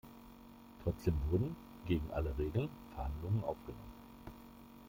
Trotzdem wurden — gegen alle Regeln — Verhandlungen aufgenommen.